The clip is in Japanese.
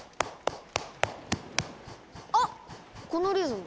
あっこのリズム。